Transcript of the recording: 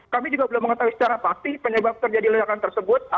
kami juga belum mengetahui secara pasti penyebab terjadi ledakan tersebut